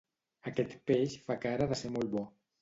Aquest peix fa cara de ser molt bo.